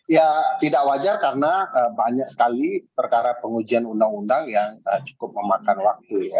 ya tidak wajar karena banyak sekali perkara pengujian undang undang yang cukup memakan waktu ya